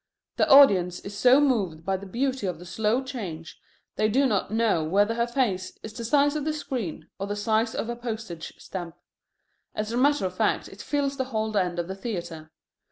The audience is so moved by the beauty of the slow change they do not know whether her face is the size of the screen or the size of a postage stamp. As a matter of fact it fills the whole end of the theatre.